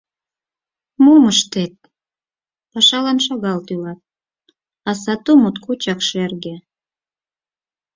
Мом ыштет, пашалан шагал тӱлат, а сату моткочак шерге.